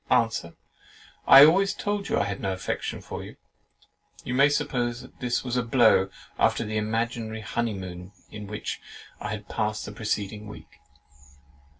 ANSWER, "I always told you I had no affection for you." You may suppose this was a blow, after the imaginary honey moon in which I had passed the preceding week.